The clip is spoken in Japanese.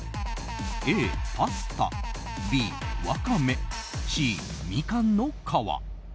Ａ、パスタＢ、ワカメＣ、みかんの皮。